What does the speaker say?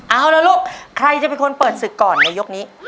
เอาละลูกใครจะเป็นคนเปิดศึกก่อนในยกนี้